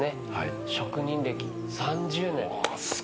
職人歴３０年。